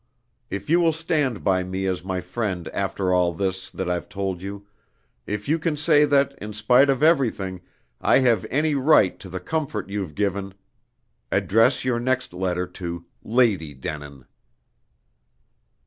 If you will stand by me as my friend after all this that I've told you if you can say that, in spite of everything, I have any right to the comfort you've given, address your next letter to Lady Denin.